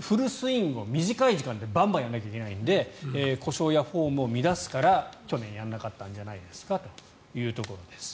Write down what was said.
フルスイングを短い時間でバンバンやらなきゃいけないので故障やフォームを乱すから去年やらなかったんじゃないですかというところです。